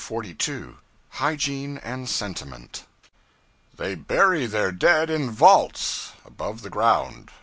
CHAPTER 42 Hygiene and Sentiment THEY bury their dead in vaults, above the ground.